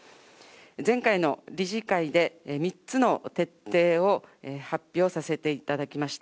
前回の理事会で３つの徹底を発表させていただきました。